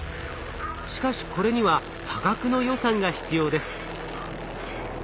しかしこれには多額の予算が必要です。